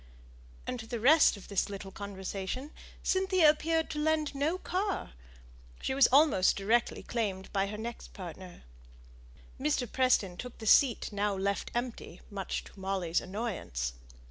And to the rest of this little conversation, Cynthia appeared to lend no ear; and she was almost directly claimed by her next partner. Mr. Preston took the seat now left empty much to Molly's annoyance.